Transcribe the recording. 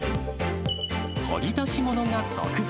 掘り出し物が続々。